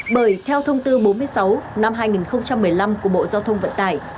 bởi theo thông tư bốn mươi sáu năm hai nghìn một mươi năm của bộ giao thông vận tải